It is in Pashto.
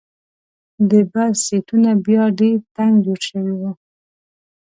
د بس سیټونه بیا ډېر تنګ جوړ شوي وو.